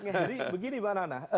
jadi begini mbak nana